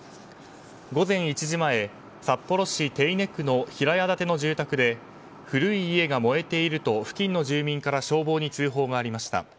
午前１時前、札幌市手稲区の平屋建ての住宅で古い家が燃えていると付近の住民から消防に通報がありました。